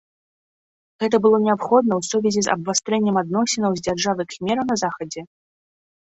Гэта было неабходна ў сувязі з абвастрэннем адносінаў з дзяржавай кхмераў на захадзе.